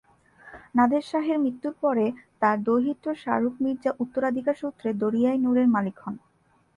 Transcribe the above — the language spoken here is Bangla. নাদের শাহের মৃত্যুর পরে তার দৌহিত্র শাহরুখ মির্জা উত্তরাধিকার সূত্রে দরিয়া-ই-নূরের মালিক হন।